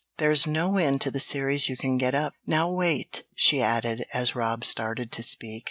There's no end to the series you can get up! Now wait!" she added, as Rob started to speak.